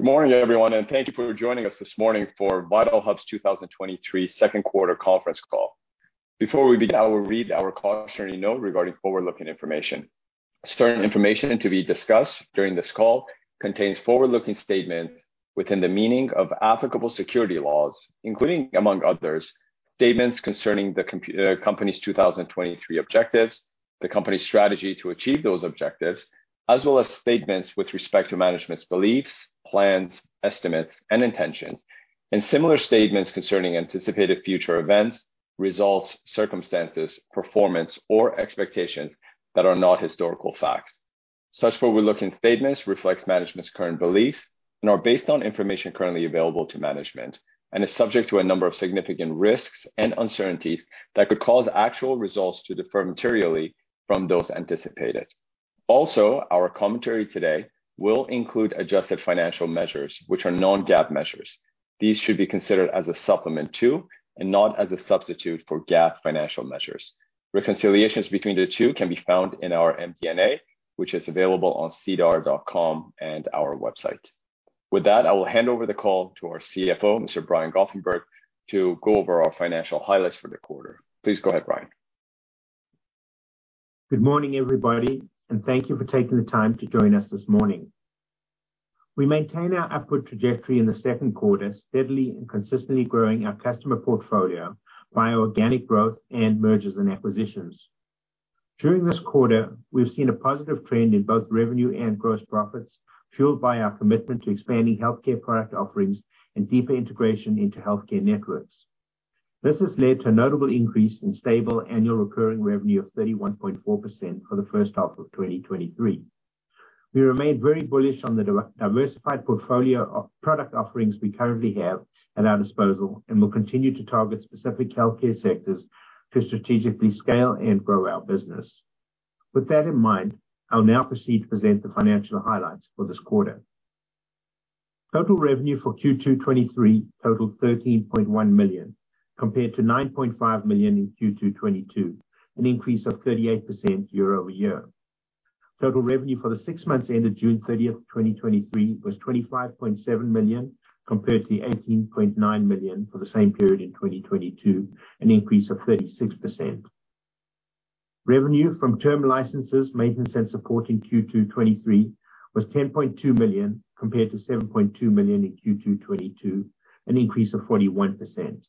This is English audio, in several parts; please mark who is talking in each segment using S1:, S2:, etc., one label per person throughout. S1: Good morning, everyone, and thank you for joining us this morning for VitalHub's 2023 second quarter conference call. Before we begin, I will read our cautionary note regarding forward-looking information. Certain information to be discussed during this call contains forward-looking statements within the meaning of applicable security laws, including, among others, statements concerning the company's 2023 objectives, the company's strategy to achieve those objectives, as well as statements with respect to management's beliefs, plans, estimates, and intentions, and similar statements concerning anticipated future events, results, circumstances, performance, or expectations that are not historical facts. Such forward-looking statements reflects management's current beliefs and are based on information currently available to management and is subject to a number of significant risks and uncertainties that could cause actual results to differ materially from those anticipated. Our commentary today will include adjusted financial measures, which are non-GAAP measures. These should be considered as a supplement to, and not as a substitute for, GAAP financial measures. Reconciliations between the two can be found in our MD&A, which is available on sedar.com and our website. With that, I will hand over the call to our CFO, Mr. Brian Goffenberg, to go over our financial highlights for the quarter. Please go ahead, Brian.
S2: Good morning, everybody. Thank you for taking the time to join us this morning. We maintain our upward trajectory in the second quarter, steadily and consistently growing our customer portfolio by organic growth and mergers and acquisitions. During this quarter, we've seen a positive trend in both revenue and gross profits, fueled by our commitment to expanding healthcare product offerings and deeper integration into healthcare networks. This has led to a notable increase in stable annual recurring revenue of 31.4% for the first half of 2023. We remain very bullish on the diversified portfolio of product offerings we currently have at our disposal and will continue to target specific healthcare sectors to strategically scale and grow our business. With that in mind, I'll now proceed to present the financial highlights for this quarter. Total revenue for Q2 2023 totaled 13.1 million, compared to 9.5 million in Q2 2022, an increase of 38% year-over-year. Total revenue for the six months ended June 30th, 2023, was 25.7 million, compared to 18.9 million for the same period in 2022, an increase of 36%. Revenue from term licenses, maintenance, and support in Q2 2023 was 10.2 million, compared to 7.2 million in Q2 2022, an increase of 41%.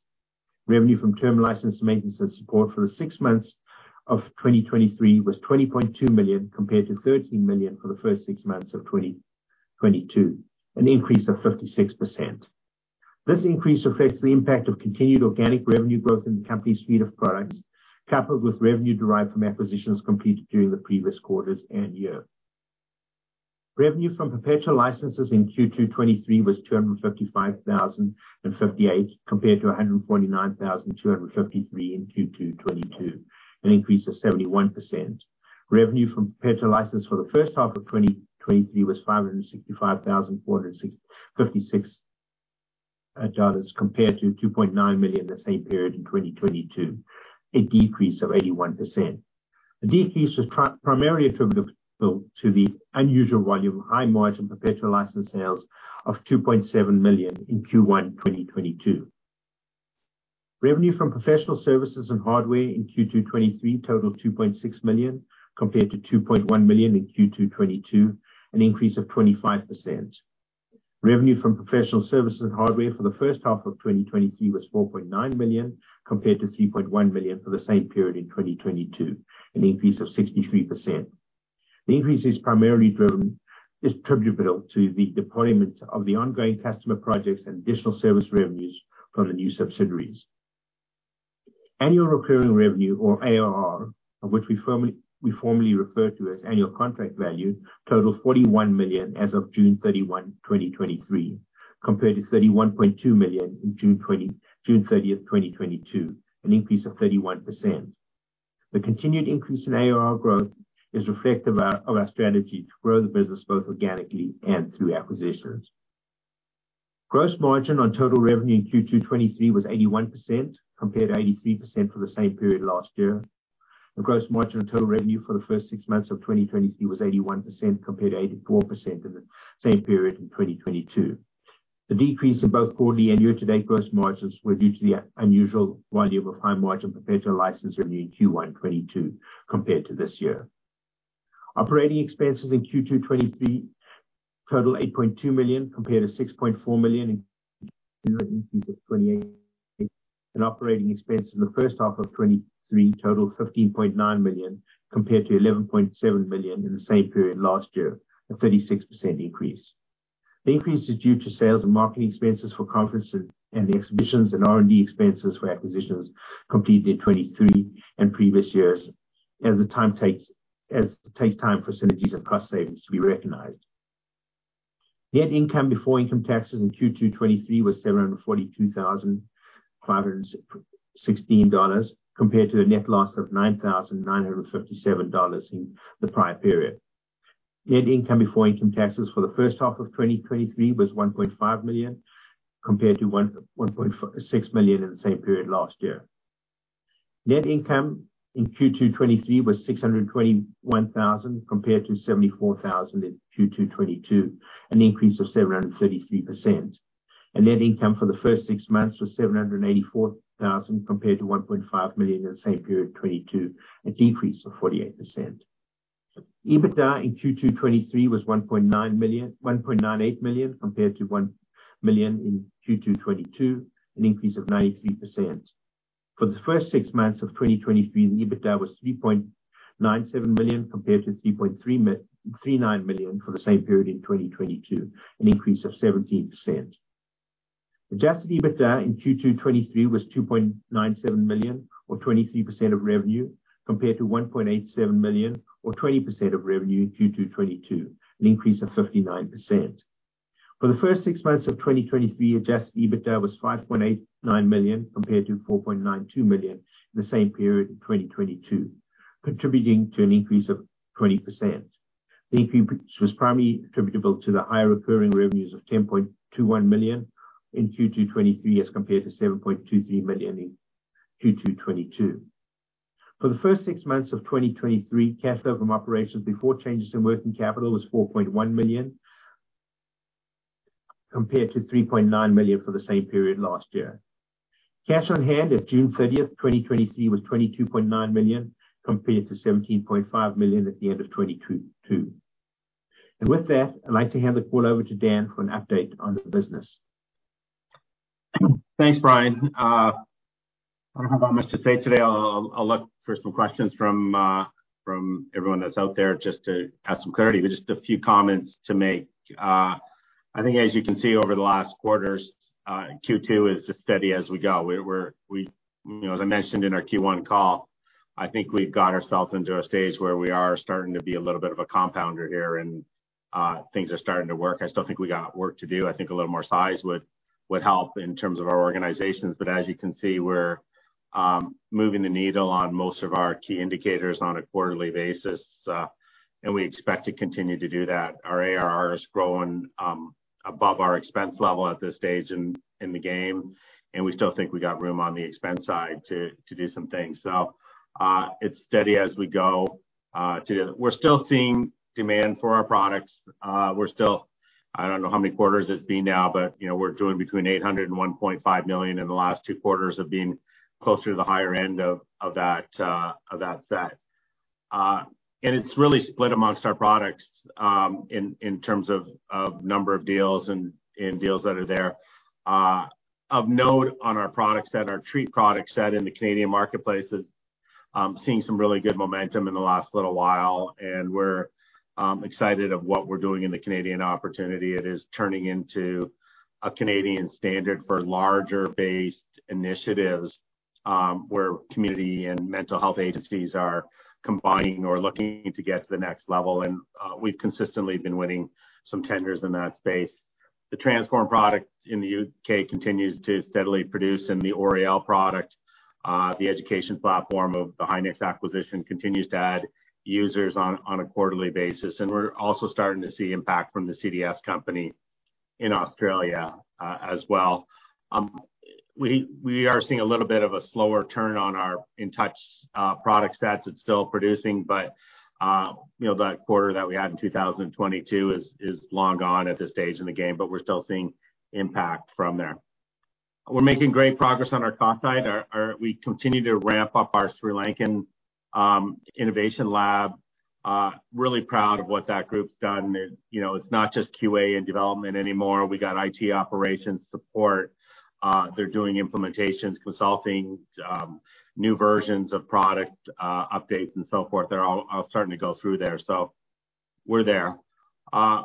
S2: Revenue from term license maintenance and support for the six months of 2023 was 20.2 million, compared to 13 million for the first six months of 2022, an increase of 56%. This increase reflects the impact of continued organic revenue growth in the company's suite of products, coupled with revenue derived from acquisitions completed during the previous quarters and year. Revenue from perpetual licenses in Q2 2023 was $255,058, compared to $149,253 in Q2 2022, an increase of 71%. Revenue from perpetual license for the first half of 2023 was $565,456, compared to $2.9 million the same period in 2022, a decrease of 81%. The decrease was primarily attributable to the unusual volume of high-margin perpetual license sales of $2.7 million in Q1 2022. Revenue from professional services and hardware in Q2 2023 totaled 2.6 million, compared to 2.1 million in Q2 2022, an increase of 25%. Revenue from professional services and hardware for the first half of 2023 was 4.9 million, compared to 3.1 million for the same period in 2022, an increase of 63%. The increase is primarily attributable to the deployment of the ongoing customer projects and additional service revenues from the new subsidiaries. Annual recurring revenue or ARR, of which we formerly referred to as annual contract value, totals 41 million as of June 31, 2023, compared to 31.2 million in June 30th, 2022, an increase of 31%. The continued increase in ARR growth is reflective of our strategy to grow the business both organically and through acquisitions. Gross margin on total revenue in Q2 2023 was 81%, compared to 83% for the same period last year, and gross margin on total revenue for the first six months of 2023 was 81%, compared to 84% in the same period in 2022. The decrease in both quarterly and year-to-date gross margins were due to the unusual volume of high-margin perpetual license revenue in Q1 2022 compared to this year. Operating expenses in Q2 2023 totaled $8.2 million, compared to $6.4 million in an operating expense in the first half of 2023 totaled $15.9 million, compared to $11.7 million in the same period last year, a 36% increase. The increase is due to sales and marketing expenses for conferences and the exhibitions and R&D expenses for acquisitions completed in 2023 and previous years as it takes time for synergies and cost savings to be recognized. Net income before income taxes in Q2 2023 was 742,516 dollars, compared to a net loss of 9,957 dollars in the prior period. Net income before income taxes for the first half of 2023 was 1.5 million, compared to 1.6 million in the same period last year. Net income in Q2 2023 was 621,000, compared to 74,000 in Q2 2022, an increase of 733%. Net income for the first six months was $784,000, compared to $1.5 million in the same period 2022, a decrease of 48%. EBITDA in Q2 2023 was $1.98 million, compared to $1 million in Q2 2022, an increase of 93%. For the first six months of 2023, the EBITDA was $3.97 million, compared to $3.39 million for the same period in 2022, an increase of 17%. Adjusted EBITDA in Q2 2023 was $2.97 million, or 23% of revenue, compared to $1.87 million, or 20% of revenue in Q2 2022, an increase of 59%. For the first six months of 2023, Adjusted EBITDA was 5.89 million, compared to 4.92 million in the same period in 2022, contributing to an increase of 20%. The increase was primarily attributable to the higher recurring revenues of 10.21 million in Q2 2023, as compared to 7.23 million in Q2 2022. For the first six months of 2023, cash flow from operations before changes in working capital was 4.1 million, compared to 3.9 million for the same period last year. Cash on hand as at June 30th, 2023, was 22.9 million, compared to 17.5 million at the end of 2022. With that, I'd like to hand the call over to Dan for an update on the business.
S3: Thanks, Brian. I don't have that much to say today. I'll, I'll look for some questions from everyone that's out there just to add some clarity. Just a few comments to make. I think as you can see over the last quarters, Q2 is as steady as we go. We're, we-- You know, as I mentioned in our Q1 call, I think we've got ourselves into a stage where we are starting to be a little bit of a compounder here, and things are starting to work. I still think I got work to do. I think a little more size would, would help in terms of our organizations. As you can see, we're moving the needle on most of our key indicators on a quarterly basis, and we expect to continue to do that. Our ARR is growing, above our expense level at this stage in the game. We still think we got room on the expense side to do some things. It's steady as we go. We're still seeing demand for our products. We're still... I don't know how many quarters it's been now, but, you know, we're doing between 800 and 1.5 million in the last two quarters of being closer to the higher end of that set. It's really split amongst our products, in terms of number of deals and deals that are there. Of note on our product set, our TREAT product set in the Canadian marketplace is seeing some really good momentum in the last little while. We're excited of what we're doing in the Canadian opportunity. It is turning into a Canadian standard for larger-based initiatives, where community and mental health agencies are combining or looking to get to the next level. We've consistently been winning some tenders in that space. The Transform product in the U.K. continues to steadily produce. The Oriel product, the education platform of the Hicom acquisition, continues to add users on, on a quarterly basis. We're also starting to see impact from the CDS company in Australia as well. We, we are seeing a little bit of a slower turn on our Intouch product sets. It's still producing, but, you know, that quarter that we had in 2022 is long gone at this stage in the game, but we're still seeing impact from there. We're making great progress on our cost side. We continue to ramp up our Sri Lankan Innovation Lab. Really proud of what that group's done. It, you know, it's not just QA and development anymore. We got IT operations support. They're doing implementations, consulting, new versions of product, updates and so forth. They're all starting to go through there, so we're there.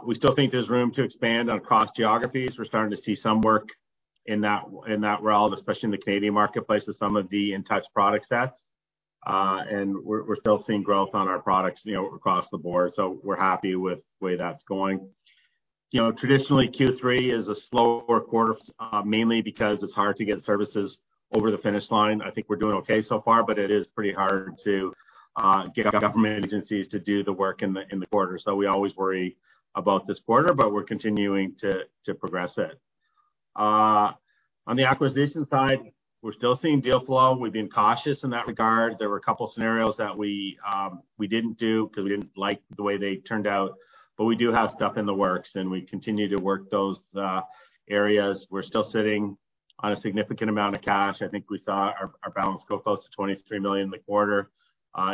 S3: We still think there's room to expand on across geographies. We're starting to see some work in that, in that realm, especially in the Canadian marketplace, with some of the Intouch product sets. We're, we're still seeing growth on our products, you know, across the board, so we're happy with the way that's going. You know, traditionally, Q3 is a slower quarter, mainly because it's hard to get services over the finish line. I think we're doing okay so far, but it is pretty hard to get government agencies to do the work in the, in the quarter. We always worry about this quarter, but we're continuing to progress it. On the acquisition side, we're still seeing deal flow. We've been cautious in that regard. There were a couple scenarios that we didn't do because we didn't like the way they turned out, but we do have stuff in the works, and we continue to work those areas. We're still sitting on a significant amount of cash. I think we saw our, our balance go close to 23 million in the quarter.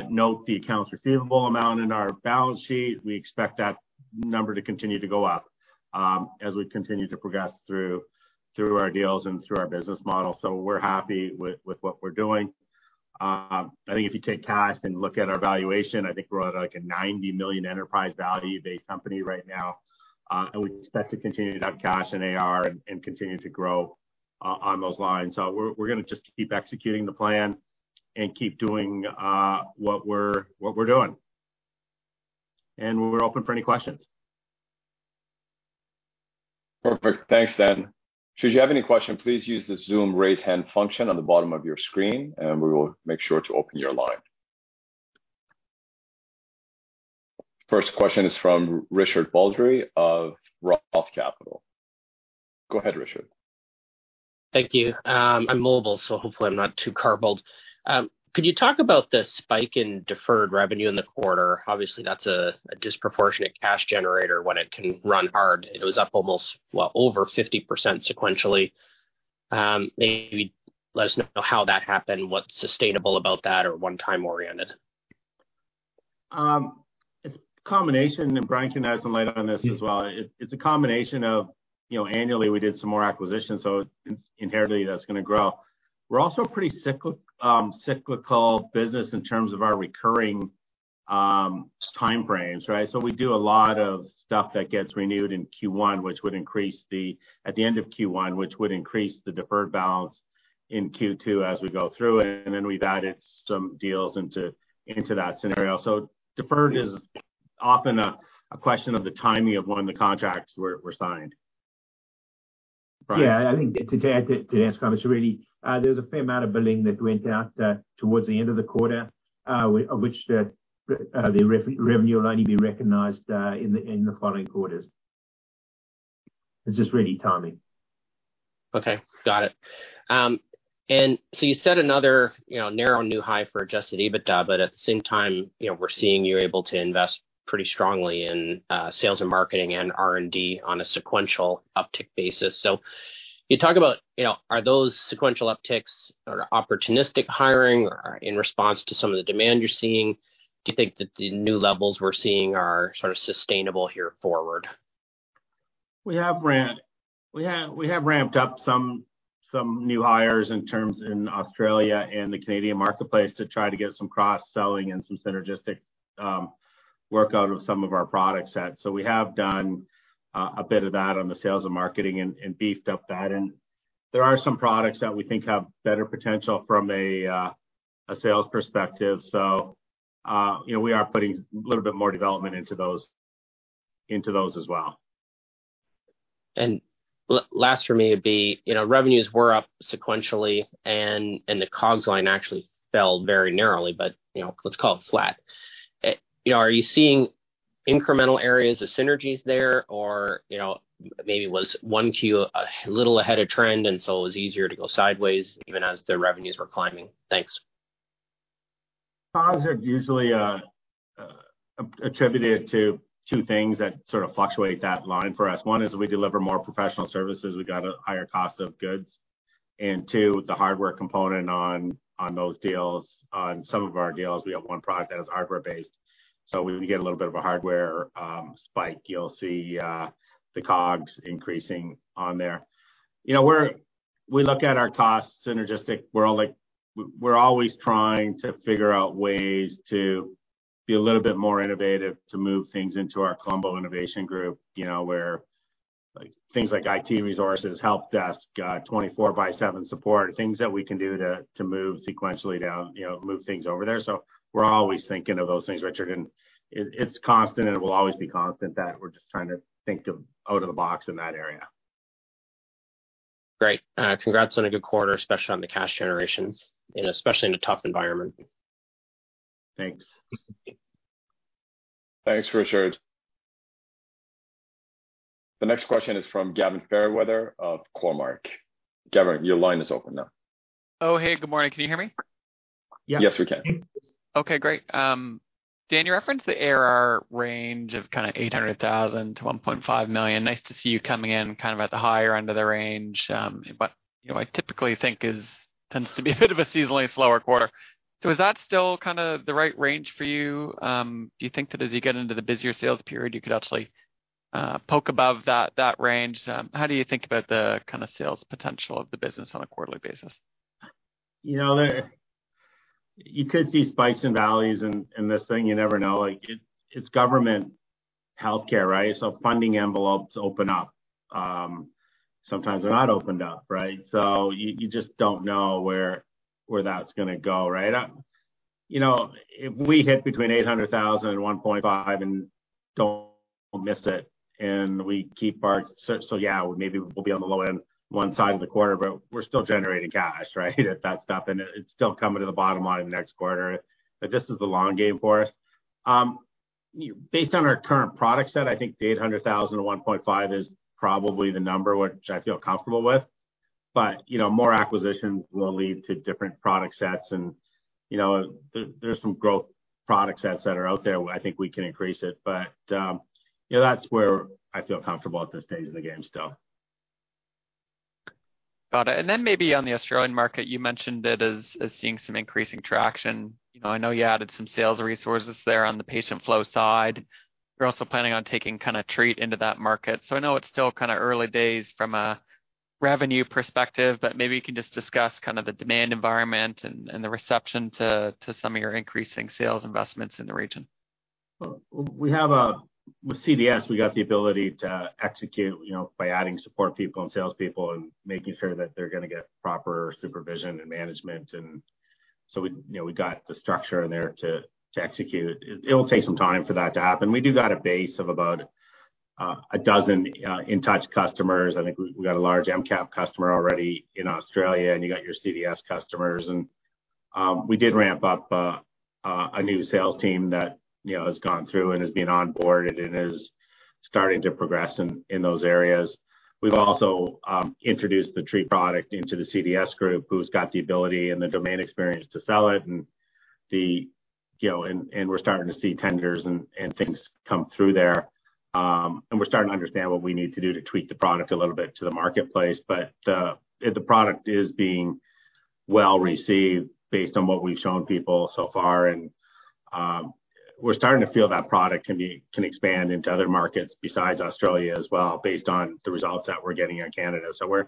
S3: Note the accounts receivable amount in our balance sheet. We expect that number to continue to go up as we continue to progress through, through our deals and through our business model. We're happy with, with what we're doing. I think if you take cash and look at our valuation, I think we're at, like, a 90 million enterprise value-based company right now. And we expect to continue to have cash and AR and continue to grow on those lines. We're, we're gonna just keep executing the plan and keep doing what we're, what we're doing. We're open for any questions.
S1: Perfect. Thanks, Dan. Should you have any question, please use the Zoom raise hand function on the bottom of your screen, and we will make sure to open your line. First question is from Richard Baldry of Roth Capital. Go ahead, Richard.
S4: Thank you. I'm mobile, so hopefully I'm not too garbled. Could you talk about the spike in deferred revenue in the quarter? Obviously, that's a disproportionate cash generator when it can run hard. It was up almost over 50% sequentially. Maybe let us know how that happened, what's sustainable about that, or one-time oriented?
S3: It's a combination, and Brian can add some light on this as well. It's a combination of, you know, annually, we did some more acquisitions, so it's inherently that's gonna grow. We're also a pretty cyclical business in terms of our recurring time frames, right? We do a lot of stuff that gets renewed in Q1, which would increase the at the end of Q1, which would increase the deferred balance in Q2 as we go through it, and then we've added some deals into, into that scenario. Deferred is often a, a question of the timing of when the contracts were, were signed. Brian?
S2: Yeah, I think to, to add to, to that comment, really, there was a fair amount of billing that went out towards the end of the quarter, of which the revenue will only be recognized in the following quarters. It's just really timing.
S4: Okay, got it. You set another, you know, narrow new high for Adjusted EBITDA, but at the same time, you know, we're seeing you're able to invest pretty strongly in sales and marketing and R&D on a sequential uptick basis. Can you talk about, you know, are those sequential upticks or opportunistic hiring or in response to some of the demand you're seeing? Do you think that the new levels we're seeing are sort of sustainable here forward?
S3: We have, we have ramped up some, some new hires in terms in Australia and the Canadian marketplace to try to get some cross-selling and some synergistic work out of some of our product set. We have done a bit of that on the sales and marketing and, and beefed up that. There are some products that we think have better potential from a sales perspective. You know, we are putting a little bit more development into those, into those as well.
S4: Last for me would be, you know, revenues were up sequentially, and, and the COGS line actually fell very narrowly, but, you know, let's call it flat. You know, are you seeing incremental areas of synergies there, or, you know, maybe was 1Q a little ahead of trend, and so it was easier to go sideways even as the revenues were climbing? Thanks.
S3: COGS are usually attributed to two things that sort of fluctuate that line for us. One is we deliver more professional services, we got a higher cost of goods. Two, the hardware component on, on those deals, on some of our deals, we have one product that is hardware-based, so we get a little bit of a hardware spike. You'll see the COGS increasing on there. You know, we look at our costs synergistic. We're all like, we're always trying to figure out ways to be a little bit more innovative, to move things into our Colombo Innovation Group, you know, where, like, things like IT resources, help desk, 24/7 support, things that we can do to move sequentially down, you know, move things over there. We're always thinking of those things, Richard, and it, it's constant, and it will always be constant, that we're just trying to think of out of the box in that area.
S4: Great. Congrats on a good quarter, especially on the cash generation, and especially in a tough environment.
S3: Thanks.
S1: Thanks, Richard. The next question is from Gavin Fairweather of Cormark. Gavin, your line is open now.
S5: Oh, hey, good morning. Can you hear me?
S3: Yeah.
S1: Yes, we can.
S5: Okay, great. Daniel, you referenced the ARR range of kinda 800,000-1.5 million. Nice to see you coming in kind of at the higher end of the range. You know, I typically think tends to be a bit of a seasonally slower quarter. Is that still kind of the right range for you? Do you think that as you get into the busier sales period, you could actually poke above that, that range? How do you think about the kind of sales potential of the business on a quarterly basis?
S3: You know, there, you could see spikes and valleys in, in this thing. You never know. Like, it, it's government healthcare, right? Funding envelopes open up. Sometimes they're not opened up, right? You, you just don't know where, where that's gonna go, right? You know, if we hit between 800,000 and 1.5 million and don't miss it, and we keep our... Yeah, maybe we'll be on the low end, one side of the quarter, but we're still generating cash, right? If that's up and it's still coming to the bottom line of next quarter. This is the long game for us. Based on our current product set, I think the 800,000 to 1.5 million is probably the number which I feel comfortable with. You know, more acquisitions will lead to different product sets and, you know, there, there's some growth product sets that are out there. I think we can increase it, but, you know, that's where I feel comfortable at this stage in the game still.
S5: Got it. Then maybe on the Australian market, you mentioned it as, as seeing some increasing traction. You know, I know you added some sales resources there on the patient flow side. You're also planning on taking kind of TREAT into that market. I know it's still kind of early days from a revenue perspective, but maybe you can just discuss kind of the demand environment and, and the reception to, to some of your increasing sales investments in the region.
S3: Well, we have with CDS, we got the ability to execute, you know, by adding support people and salespeople and making sure that they're gonna get proper supervision and management. So we, you know, we got the structure in there to, to execute. It'll take some time for that to happen. We do got a base of about a dozen Intouch customers. I think we got a large MCAP customer already in Australia, and you got your CDS customers. We did ramp up a new sales team that, you know, has gone through and is being onboarded and is starting to progress in, in those areas. We've also introduced the TREAT product into the CDS group, who's got the ability and the domain experience to sell it, and the, you know, and we're starting to see tenders and things come through there. We're starting to understand what we need to do to tweak the product a little bit to the marketplace. The product is being well received based on what we've shown people so far, and we're starting to feel that product can expand into other markets besides Australia as well, based on the results that we're getting in Canada. We're,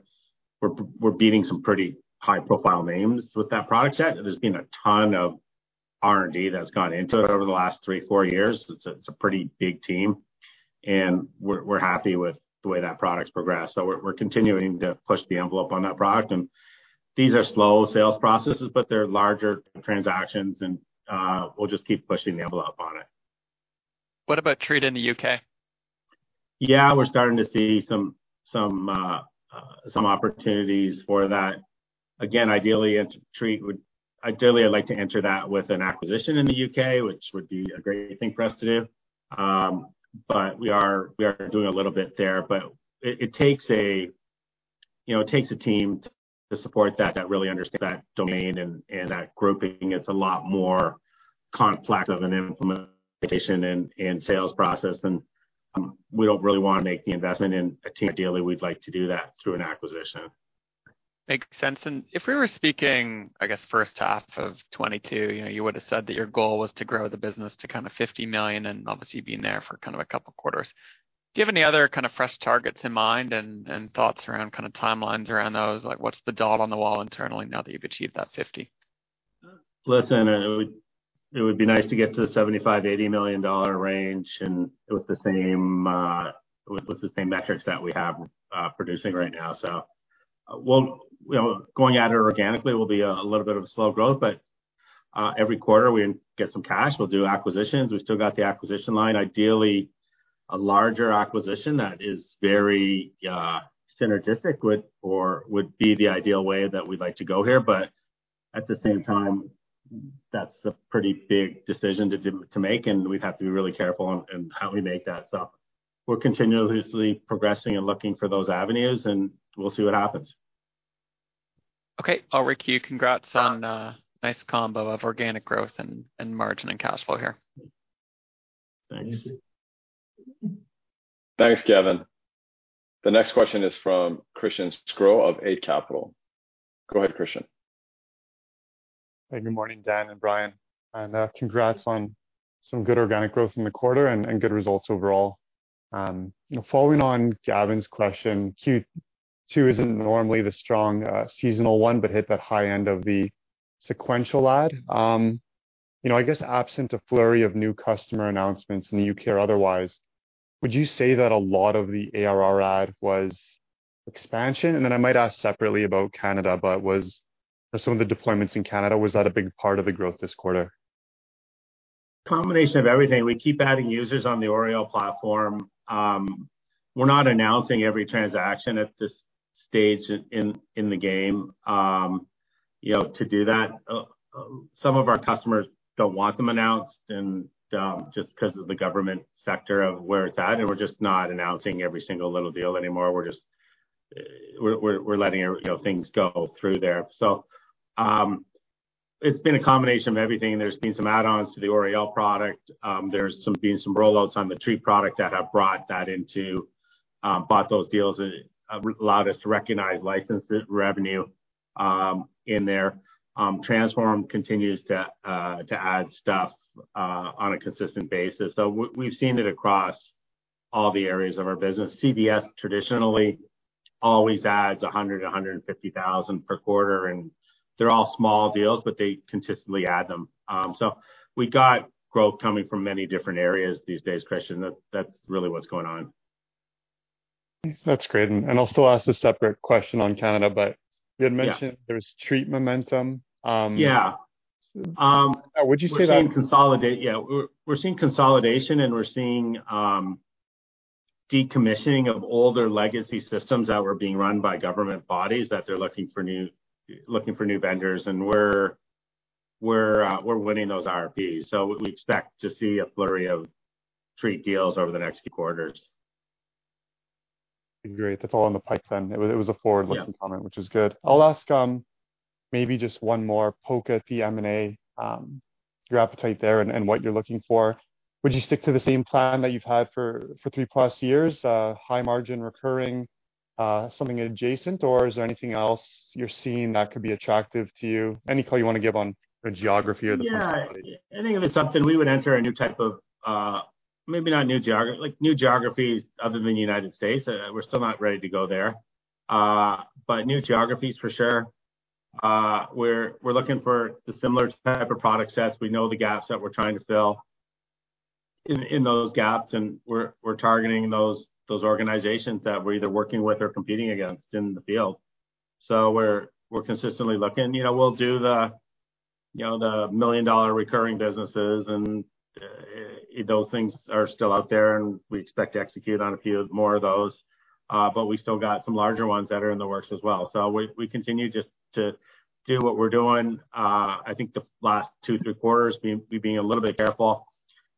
S3: we're beating some pretty high-profile names with that product set, and there's been a ton of R&D that's gone into it over the last three, four years. It's a, it's a pretty big team, and we're, we're happy with the way that product's progressed. We're, we're continuing to push the envelope on that product. These are slow sales processes. They're larger transactions. We'll just keep pushing the envelope on it.
S5: What about TREAT in the U.K.?
S3: Yeah, we're starting to see some, some opportunities for that. Ideally, Enter TREAT ideally, I'd like to enter that with an acquisition in the U.K., which would be a great thing for us to do. We are, we are doing a little bit there, but it, it takes a, you know, it takes a team to support that, that really understands that domain and, and that grouping. It's a lot more complex of an implementation and sales process, we don't really want to make the investment in a team. Ideally, we'd like to do that through an acquisition.
S5: Makes sense. If we were speaking, I guess, first half of 2022, you know, you would have said that your goal was to grow the business to kind of $50 million, and obviously, you've been there for kind of a couple quarters. Do you have any other kind of fresh targets in mind and, and thoughts around kind of timelines around those? Like, what's the dot on the wall internally now that you've achieved that $50?
S3: Listen, it would, it would be nice to get to the 75 million-80 million dollar range, with the same, with, with the same metrics that we have, producing right now. Well, you know, going at it organically will be a, a little bit of a slow growth, every quarter we get some cash, we'll do acquisitions. We've still got the acquisition line. Ideally, a larger acquisition that is very, synergistic with, or would be the ideal way that we'd like to go here, at the same time, that's a pretty big decision to make, and we'd have to be really careful in, in how we make that. We're continuously progressing and looking for those avenues, and we'll see what happens.
S5: Okay. I'll Rick you. Congrats on nice combo of organic growth and, and margin and cash flow here.
S3: Thanks.
S1: Thanks, Gavin. The next question is from Christian Sgro of Eight Capital. Go ahead, Christian.
S6: Hey, good morning, Dan and Brian, and congrats on some good organic growth in the quarter and good results overall. You know, following on Gavin's question, Q2 isn't normally the strong seasonal one, but hit that high end of the sequential add. You know, I guess absent a flurry of new customer announcements in the U.K. or otherwise, would you say that a lot of the ARR add was expansion? Then I might ask separately about Canada, but was some of the deployments in Canada, was that a big part of the growth this quarter?
S3: Combination of everything. We keep adding users on the Oriel platform. We're not announcing every transaction at this stage in, in the game, you know, to do that. Some of our customers don't want them announced, and just because of the government sector of where it's at, and we're just not announcing every single little deal anymore. We're just, we're, we're letting, you know, things go through there. It's been a combination of everything, and there's been some add-ons to the Oriel product. There's been some rollouts on the TREAT product that have brought that into, bought those deals and allowed us to recognize licensed revenue in there. Transform continues to add stuff on a consistent basis. We've, we've seen it across all the areas of our business. CDS traditionally always adds 100,000-150,000 per quarter, and they're all small deals, but they consistently add them. We got growth coming from many different areas these days, Christian. That's really what's going on.
S6: That's great. I'll still ask a separate question on Canada, but you had mentioned-
S3: Yeah.
S6: There was TREAT momentum.
S3: Yeah.
S6: Would you say?
S3: Yeah, we're seeing consolidation, and we're seeing decommissioning of older legacy systems that were being run by government bodies, that they're looking for new, looking for new vendors, and we're winning those RFPs. We expect to see a flurry of TREAT deals over the next few quarters.
S6: Great. That's all in the pipeline. It was, it was a forward-looking comment-
S3: Yeah
S6: which is good. I'll ask, maybe just one more poke at the M&A, your appetite there and, and what you're looking for. Would you stick to the same plan that you've had for, for three-plus years, high margin, recurring, something adjacent, or is there anything else you're seeing that could be attractive to you? Any call you want to give on the geography or the personality?
S3: Yeah, I think if it's something, we would enter a new type of, maybe not new geography, like, new geographies other than the United States. We're still not ready to go there, new geographies, for sure. We're, we're looking for the similar type of product sets. We know the gaps that we're trying to fill in, in those gaps, and we're, we're targeting those, those organizations that we're either working with or competing against in the field. We're, we're consistently looking. You know, we'll do the, you know, the million-dollar recurring businesses-... Those things are still out there, and we expect to execute on a few more of those. We still got some larger ones that are in the works as well. We, we continue just to do what we're doing. I think the last two, three quarters, we being a little bit careful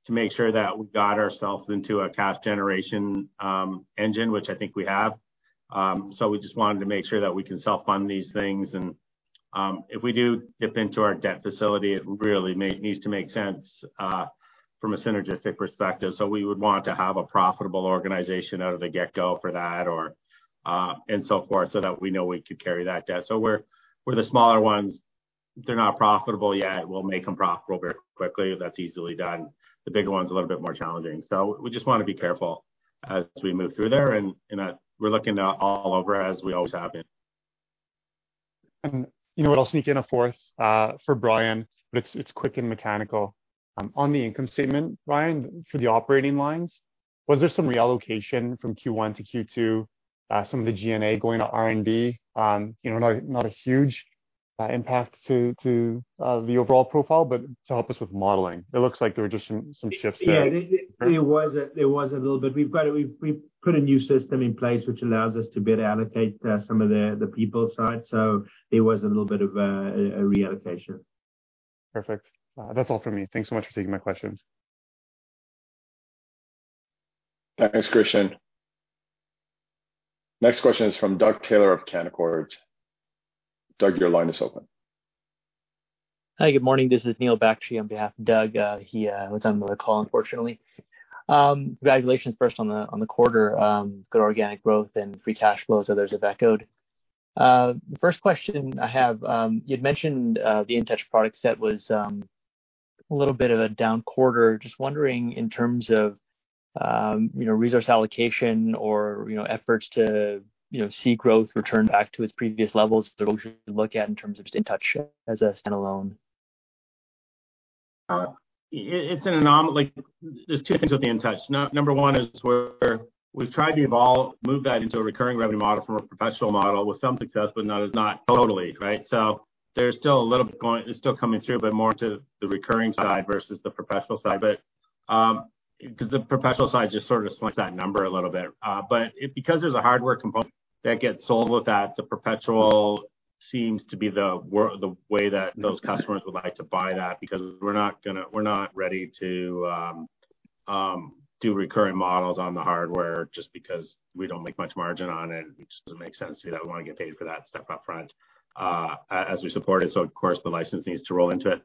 S3: to make sure that we got ourselves into a cash generation engine, which I think we have. We just wanted to make sure that we can self-fund these things, and, if we do dip into our debt facility, it really needs to make sense from a synergistic perspective. We would want to have a profitable organization out of the get-go for that or, and so forth, so that we know we could carry that debt. Where the smaller ones, they're not profitable yet, we'll make them profitable very quickly. That's easily done. The bigger ones, a little bit more challenging. We just wanna be careful as we move through there, and, you know, we're looking at all over, as we always have been.
S6: You know what? I'll sneak in a fourth for Brian, but it's, it's quick and mechanical. On the income statement, Brian, for the operating lines, was there some reallocation from Q1 to Q2, some of the G&A going to R&D? You know, not, not a huge impact to the overall profile, but to help us with modeling. It looks like there were just some, some shifts there.
S2: Yeah, there, there was a, there was a little bit. We've got, we've put a new system in place, which allows us to better allocate some of the, the people side, so there was a little bit of a, a reallocation.
S6: Perfect. That's all from me. Thanks so much for taking my questions.
S1: Thanks, Christian. Next question is from Doug Taylor of Canaccord. Doug, your line is open.
S7: Hi, good morning. This is Neil Bakshi on behalf of Doug. He was on another call, unfortunately. Congratulations first on the quarter. Good organic growth and free cash flow, so there's that code. The first question I have, you'd mentioned the Intouch product set was a little bit of a down quarter. Just wondering, in terms of, you know, resource allocation or, you know, efforts to, you know, see growth return back to its previous levels, look at in terms of Intouch as a standalone.
S3: It's like, there's two things with the Intouch. Number one is where we've tried to evolve, move that into a recurring revenue model from a professional model with some success, but not, not totally, right? There's still a little bit going. It's still coming through, but more to the recurring side versus the professional side. 'Cause the professional side just sort of slung that number a little bit. But it, because there's a hardware component that gets sold with that, the perpetual seems to be the way that those customers would like to buy that, because we're not gonna, we're not ready to do recurring models on the hardware just because we don't make much margin on it, which doesn't make sense. We wanna get paid for that stuff upfront as we support it. Of course, the license needs to roll into it.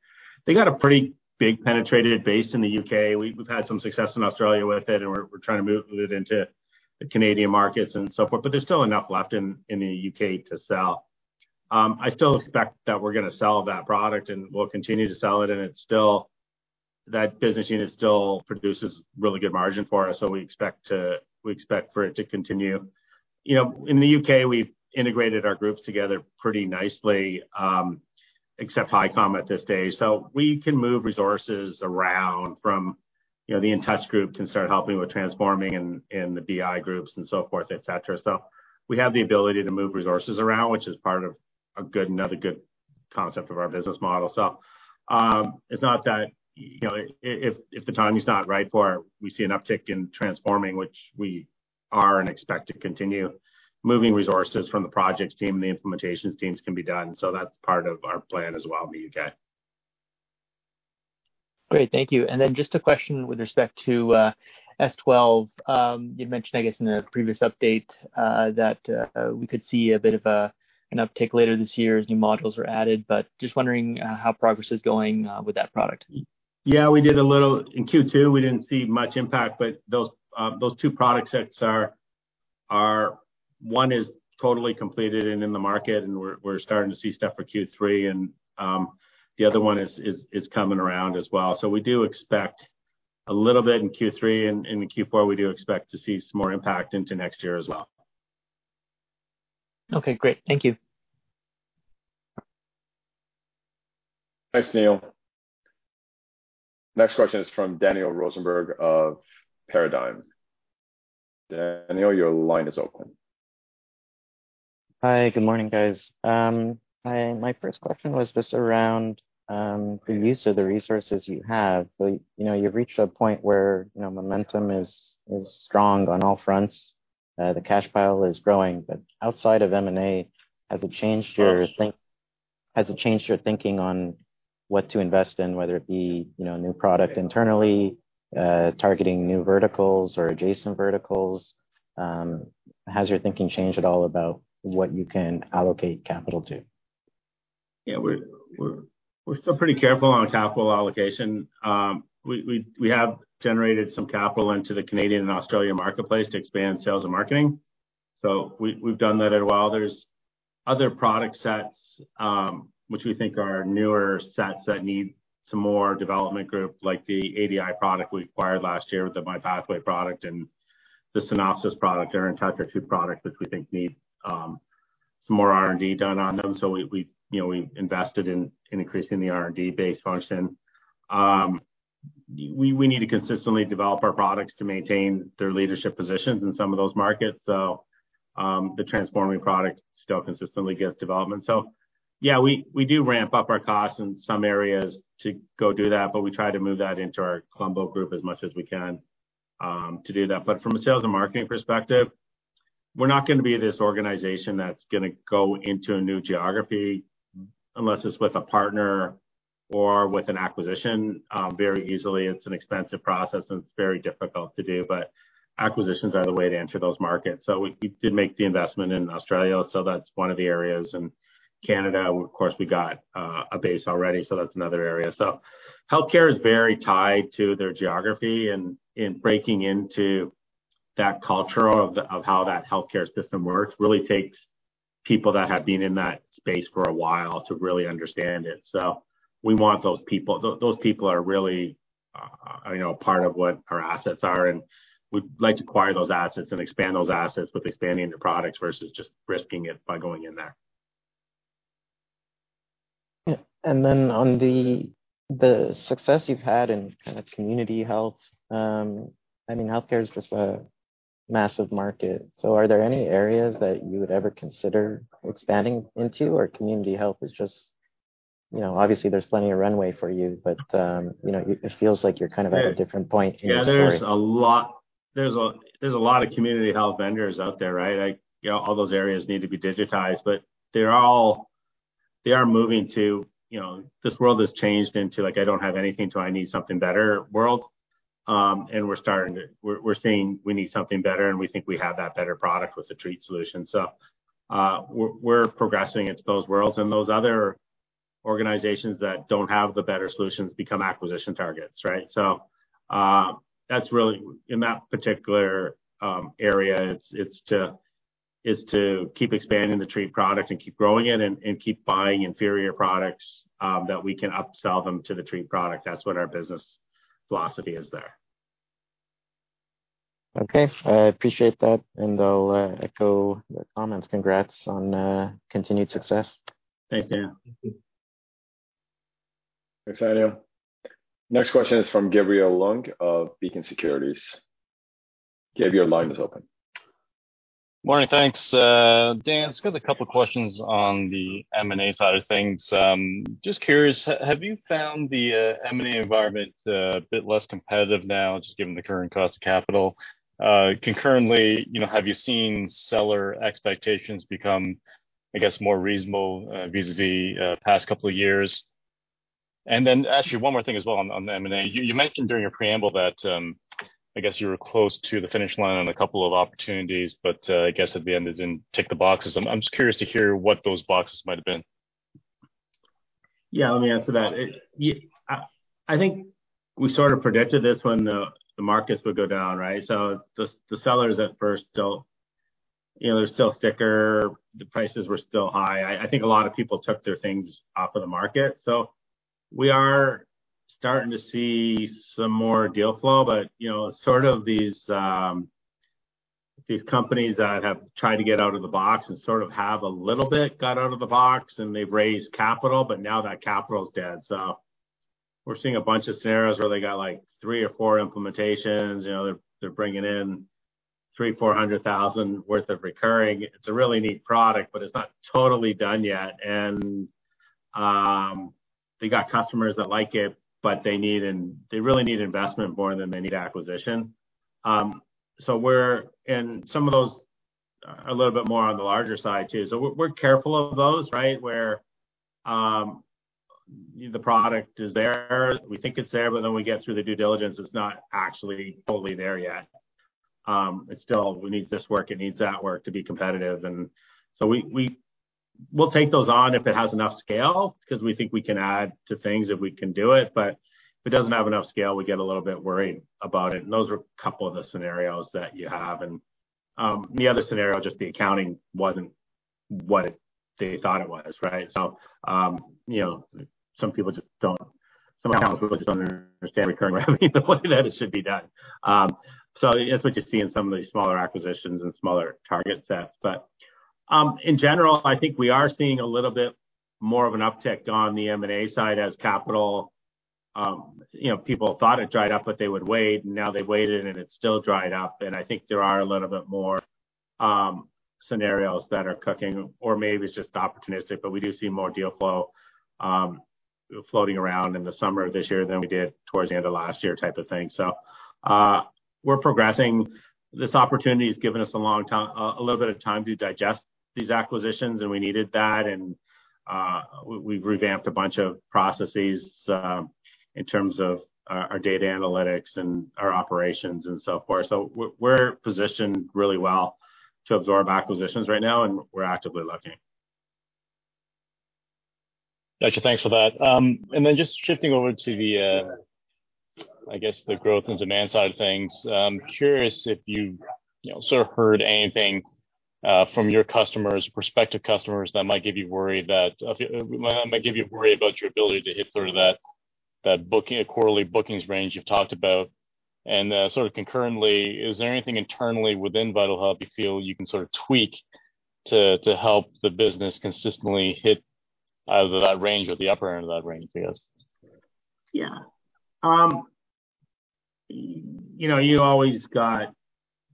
S3: They got a pretty big penetrated base in the U.K. We've, we've had some success in Australia with it, and we're, we're trying to move it into the Canadian markets and so forth, but there's still enough left in, in the U.K. to sell. I still expect that we're gonna sell that product, and we'll continue to sell it, and it's still. That business unit still produces really good margin for us, so we expect to, we expect for it to continue. You know, in the U.K., we've integrated our groups together pretty nicely, except Hicom at this stage. We can move resources around from, you know, the Intouch group can start helping with Transform and, and the BI groups and so forth, et cetera. We have the ability to move resources around, which is part of a good, another good concept of our business model. It's not that, you know, if, if, if the timing is not right for it, we see an uptick in Transform, which we are and expect to continue. Moving resources from the projects team and the implementations teams can be done, so that's part of our plan as well in the U.K..
S7: Great, thank you. Just a question with respect to S12. You'd mentioned, I guess, in a previous update, that we could see a bit of an uptick later this year as new modules are added, but just wondering how progress is going with that product?
S3: Yeah, we did a little. In Q2, we didn't see much impact, but those, those two product sets are... One is totally completed and in the market, and we're starting to see stuff for Q3, and the other one is coming around as well. We do expect a little bit in Q3 and in Q4, we do expect to see some more impact into next year as well.
S7: Okay, great. Thank you.
S1: Thanks, Neil. Next question is from Daniel Rosenberg of Paradigm. Daniel, your line is open.
S8: Hi, good morning, guys. Hi, my first question was just around the use of the resources you have. You know, you've reached a point where, you know, momentum is, is strong on all fronts, the cash pile is growing. Outside of M&A, has it changed your think, Has it changed your thinking on what to invest in, whether it be, you know, new product internally, targeting new verticals or adjacent verticals? Has your thinking changed at all about what you can allocate capital to?
S3: Yeah, we're, we're, we're still pretty careful on capital allocation. We, we, we have generated some capital into the Canadian and Australian marketplace to expand sales and marketing. We, we've done that a while. There's other product sets, which we think are newer sets that need some more development group, like the ADI product we acquired last year, the MyPathway product and the Synopsis product or Intouch product, which we think need some more R&D done on them. We, we, you know, we invested in, in increasing the R&D base function. We, we need to consistently develop our products to maintain their leadership positions in some of those markets. The transforming product still consistently gets development. Yeah, we, we do ramp up our costs in some areas to go do that, but we try to move that into our Colombo group as much as we can to do that. From a sales and marketing perspective, we're not gonna be this organization that's gonna go into a new geography unless it's with a partner or with an acquisition very easily. It's an expensive process, and it's very difficult to do, but acquisitions are the way to enter those markets. We, we did make the investment in Australia, so that's one of the areas, and Canada, of course, we got a base already, so that's another area. Healthcare is very tied to their geography, and, and breaking into that culture of the-- of how that healthcare system works really takes people that have been in that space for a while to really understand it. We want those people. Those, those people are really, you know, part of what our assets are, and we'd like to acquire those assets and expand those assets with expanding into products versus just risking it by going in there.
S8: Yeah. Then on the, the success you've had in kind of community health, I mean, healthcare is just a massive market. Are there any areas that you would ever consider expanding into? Community health is just... You know, obviously there's plenty of runway for you, you know, it feels like you're kind of at a different point in your story.
S3: Yeah, there's a lot, there's a lot of community health vendors out there, right? Like, you know, all those areas need to be digitized, but they're all, they are moving to, you know. This world has changed into, like, I don't have anything, so I need something better world. We're starting to, we're saying we need something better, and we think we have that better product with the TREAT solution. We're progressing into those worlds, and those other organizations that don't have the better solutions become acquisition targets, right? That's really, in that particular area, it's to keep expanding the TREAT product and keep growing it and keep buying inferior products that we can upsell them to the TREAT product. That's what our business philosophy is there.
S8: Okay, I appreciate that, and I'll echo the comments. Congrats on continued success.
S3: Thanks, Daniel.
S1: Thanks, Daniel. Next question is from Gabriel Leung of Beacon Securities. Gabriel, line is open.
S9: Morning. Thanks, Dan, just got a couple questions on the M&A side of things. Just curious, have you found the M&A environment a bit less competitive now, just given the current cost of capital? Concurrently, you know, have you seen seller expectations become, I guess, more reasonable, vis-à-vis past couple of years? Actually one more thing as well on the M&A. You mentioned during your preamble that, I guess you were close to the finish line on a couple of opportunities, but, I guess at the end, it didn't tick the boxes. I'm just curious to hear what those boxes might have been.
S3: Yeah, let me answer that. Yeah, I think we sort of predicted this when the markets would go down, right? The sellers at first don't. You know, they're still sticker. The prices were still high. I think a lot of people took their things off of the market. We are starting to see some more deal flow, but, you know, sort of these companies that have tried to get out of the box and sort of have a little bit got out of the box, and they've raised capital, but now that capital is dead. We're seeing a bunch of scenarios where they got, like, three or four implementations. You know, they're bringing in 300,000-400,000 worth of recurring. It's a really neat product, but it's not totally done yet. They got customers that like it, but they really need investment more than they need acquisition. We're. Some of those are a little bit more on the larger side, too. We're, we're careful of those, right? Where the product is there. We think it's there, but then we get through the due diligence, it's not actually fully there yet. It's still, it needs this work, it needs that work to be competitive. We, we, we'll take those on if it has enough scale because we think we can add to things if we can do it, but if it doesn't have enough scale, we get a little bit worried about it, and those are a couple of the scenarios that you have. The other scenario, just the accounting wasn't what they thought it was, right? You know, some people just don't, some accounts just don't understand recurring revenue, the way that it should be done. That's what you see in some of these smaller acquisitions and smaller target sets. In general, I think we are seeing a little bit more of an uptick on the M&A side as capital. You know, people thought it dried up, but they would wait, and now they waited, and it's still dried up. I think there are a little bit more scenarios that are cooking, or maybe it's just opportunistic, but we do see more deal flow floating around in the summer of this year than we did towards the end of last year, type of thing. We're progressing. This opportunity has given us a little bit of time to digest these acquisitions. We needed that. We've revamped a bunch of processes in terms of our data analytics and our operations and so forth. We're positioned really well to absorb acquisitions right now, and we're actively looking.
S9: Gotcha. Thanks for that. Then just shifting over to the, I guess, the growth and demand side of things. I'm curious if you, you know, sort of heard anything, from your customers, prospective customers, that might give you worry, that, might, might give you worry about your ability to hit sort of that, that booking, quarterly bookings range you've talked about. Sort of concurrently, is there anything internally within VitalHub Corp. you feel you can sort of tweak to, to help the business consistently hit out of that range or the upper end of that range, I guess?
S3: Yeah. You know, you always got,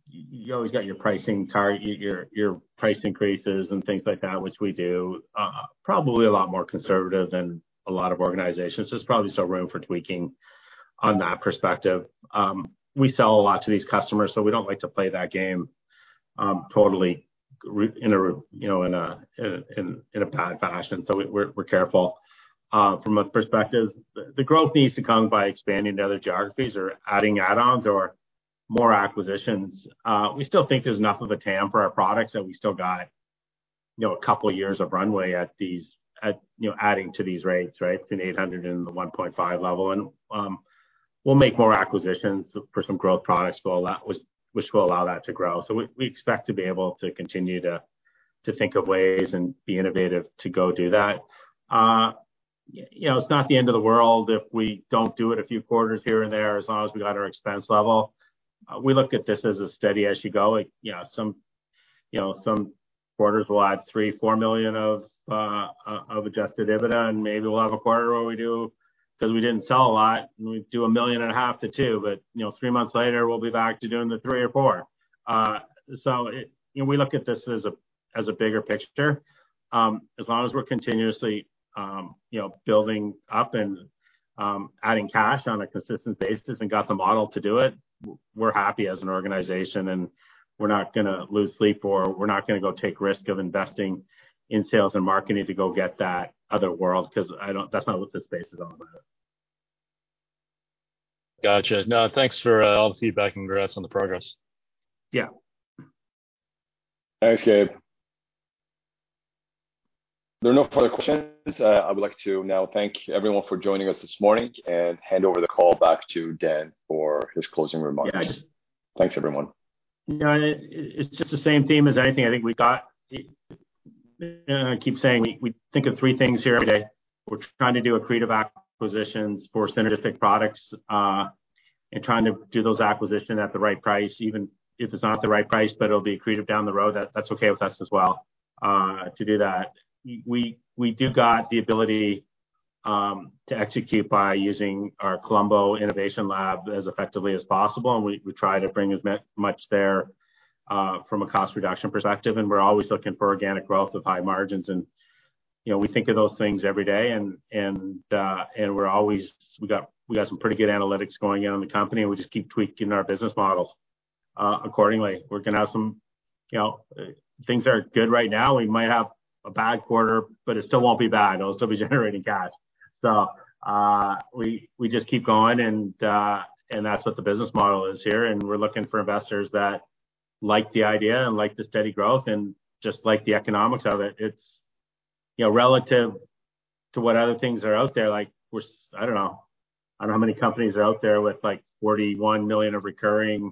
S3: you always got your pricing your, your price increases and things like that, which we do, probably a lot more conservative than a lot of organizations. There's probably still room for tweaking on that perspective. We sell a lot to these customers, so we don't like to play that game, totally in a you know, in a, in, in a bad fashion, so we're, we're careful. From a perspective, the growth needs to come by expanding to other geographies or adding add-ons or more acquisitions. We still think there's enough of a TAM for our products, that we still got, you know, a couple years of runway at these... at, you know, adding to these rates, right? Between 800 and the 1.5 level. We'll make more acquisitions for some growth products, which will allow that to grow. We, we expect to be able to continue to, to think of ways and be innovative to go do that. You know, it's not the end of the world if we don't do it a few quarters here and there, as long as we got our expense level. We look at this as a steady as you go. Like, you know, some, you know, some quarters we'll add 3 million-4 million of Adjusted EBITDA, and maybe we'll have a quarter where we do, 'cause we didn't sell a lot, and we do 1.5 million-2 million. You know, three months later, we'll be back to doing the 3 million or 4 million. You know, we look at this as a, as a bigger picture. As long as we're continuously, you know, building up and adding cash on a consistent basis and got the model to do it, we're happy as an organization, and we're not gonna lose sleep, or we're not gonna go take risk of investing in sales and marketing to go get that other world, 'cause that's not what this space is all about.
S9: Gotcha. No, thanks for all the feedback, and congrats on the progress.
S3: Yeah. Thanks, Gabe. There are no further questions. I would like to now thank everyone for joining us this morning and hand over the call back to Dan for his closing remarks. Yeah.
S1: Thanks, everyone.
S3: No, it, it's just the same theme as anything. I think we got. I keep saying we, we think of three things here every day. We're trying to do accretive acquisitions for synergistic products, and trying to do those acquisitions at the right price, even if it's not the right price, but it'll be accretive down the road, that's okay with us as well, to do that. We, we do got the ability to execute by using our Colombo Innovation Lab as effectively as possible, and we, we try to bring as much there from a cost reduction perspective. We're always looking for organic growth with high margins. You know, we think of those things every day, and, and, and we're always, we got some pretty good analytics going on in the company, and we just keep tweaking our business models accordingly. We're gonna have some. You know, things are good right now. We might have a bad quarter, but it still won't be bad. It'll still be generating cash. We, we just keep going and that's what the business model is here, and we're looking for investors that like the idea and like the steady growth and just like the economics of it. It's, you know, relative to what other things are out there, like, we're. I don't know. I don't know how many companies are out there with, like, $41 million of recurring,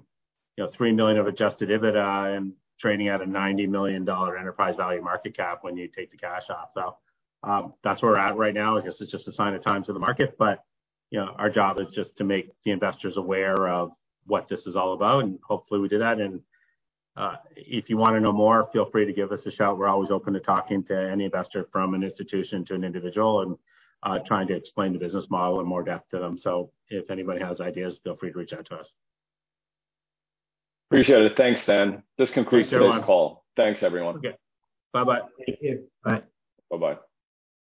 S3: you know, $3 million of Adjusted EBITDA and trading at a $90 million enterprise value market cap when you take the cash off. That's where we're at right now. I guess it's just a sign of times of the market, but, you know, our job is just to make the investors aware of what this is all about, and hopefully, we do that. If you wanna know more, feel free to give us a shout. We're always open to talking to any investor, from an institution to an individual, and trying to explain the business model in more depth to them. If anybody has ideas, feel free to reach out to us.
S1: Appreciate it. Thanks, Dan. This concludes today's call. Thanks, everyone.
S3: Okay. Bye-bye.
S2: Thank you. Bye.
S1: Bye-bye.